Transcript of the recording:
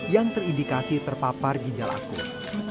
yang terindikasi terpapar ginjal akut